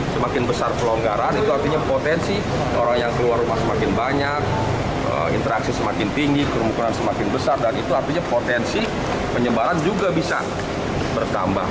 semakin besar pelonggaran itu artinya potensi orang yang keluar rumah semakin banyak interaksi semakin tinggi kerumunan semakin besar dan itu artinya potensi penyebaran juga bisa bertambah